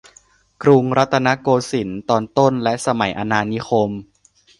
กรุงรัตนโกสินทร์ตอนต้นและสมัยอาณานิคม